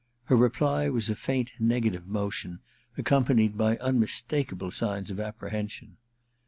Her reply was a faint nega tive motion, accompanied by unmistakable signs of apprehension.